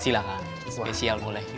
silakan spesial boleh